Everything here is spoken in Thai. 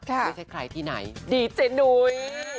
ไม่ใช่ใครที่ไหนดีเจนุ้ย